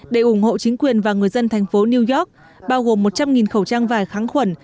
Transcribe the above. để ủng hộ chính quyền và người dân thành phố new york bao gồm một trăm linh khẩu trang vải kháng khuẩn